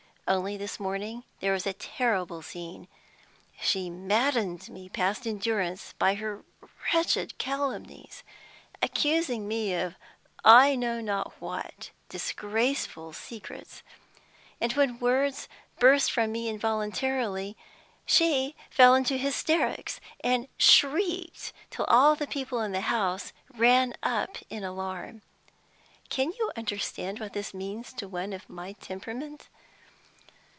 Only this morning there was a terrible scene; she maddened me past endurance by her wretched calumnies accusing me of I know not what disgraceful secrets and when words burst from me involuntarily, she fell into hysterics, and shrieked till all the people in the house ran up in alarm. Can you understand what this means to one of my temperament?